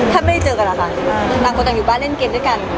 ถ้าไม่ได้เจอกันล่ะค่ะหลังคนอยู่บ้านเล่นเกร็ดด้วยกัน